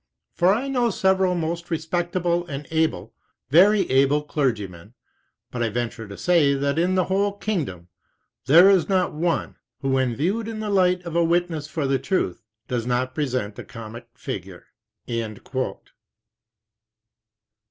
For I know several most respectable and able, very able, clergymen; but I venture to say that in the whole kingdom there is not one, who when viewed in the light of a witness for the Truth does not present a comic figure."